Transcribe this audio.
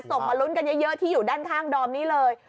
มาลุ้นกันเยอะที่อยู่ด้านข้างดอมนี้เลย